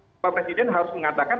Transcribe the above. bapak presiden harus mengatakan